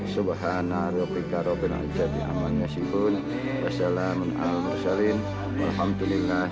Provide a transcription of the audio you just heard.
subhanarrobikarrobin aljadih amang yasifun wassalamun ala al shalin walhamdulillah